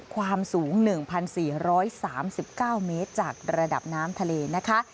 ความสูง๑๔๓๙เมตรจากระดับน้ำทะเลนะคะ